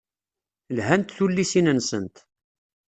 Lhant tullisin-nsent.